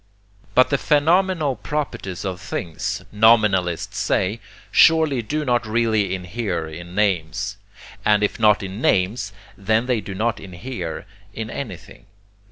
But the phenomenal properties of things, nominalists say, surely do not really inhere in names, and if not in names then they do not inhere in anything.